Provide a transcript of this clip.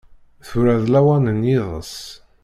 Tura d lawan n yiḍes.